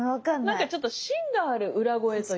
なんかちょっとしんがある裏声というか。